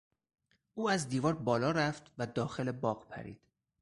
او از دیوار بالا رفت و به داخل باغ پرید.